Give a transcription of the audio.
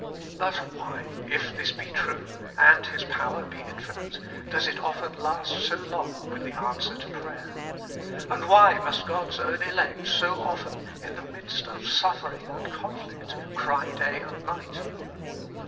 But why, if this be true and His power be infinite, does it often last so long with the answer to prayer? And why must God's own elect so often, in the midst of suffering and conflict, cry day and night?